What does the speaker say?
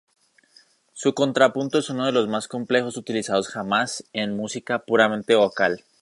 Su contrapunto es uno de los más complejos utilizados jamás en música puramente vocal.